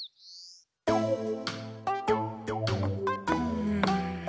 うん。